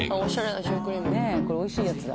これ美味しいやつだ。